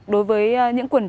đối với những quần đồng